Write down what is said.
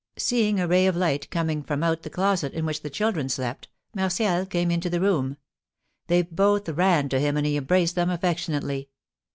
Seeing a ray of light coming from out the closet in which the children slept, Martial came into the room. They both ran to him, and he embraced them affectionately.